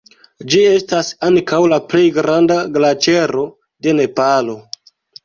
Ĝi estas ankaŭ la plej granda glaĉero de Nepalo.